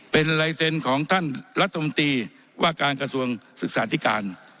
เป็นลายเซ็นต์ของท่านรัฐมนตรีว่าการกระทรวงศึกษาธิการ